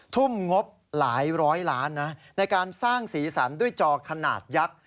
ทุ่มงบหลายร้อยล้านนะในการสร้างสีสันด้วยจอขนาดยักษ์